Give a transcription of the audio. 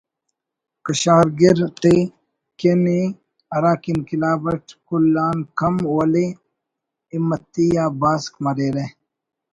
کشارگر تے کن ءِ ہراکہ انقلاب اٹ کل آن کم ولے ہمتی آ باسک مریرہ